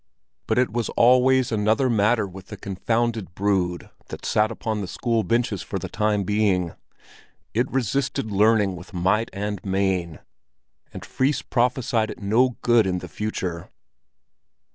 But it was always another matter with the confounded brood that sat upon the school benches for the time being; it resisted learning with might and main, and Fris prophesied it no good in the future.